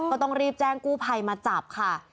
ก็ต้องรีบแจ้งกู้ภัยมาจับค่ะ